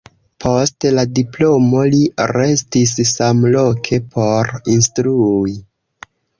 Post la diplomo li restis samloke por instrui.